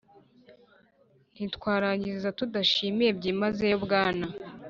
ntitwarangiza tudashimiye byimazeyo bwana